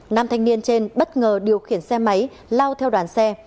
nam thanh niên trên bất ngờ điều khiển xe máy lao theo đoàn xe